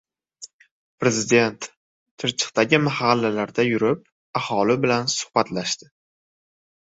Prezident Chirchiqdagi mahallalarda yurib, aholi bilan suhbatlashdi